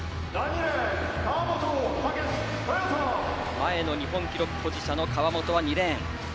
前の日本記録保持者の川本は２レーン。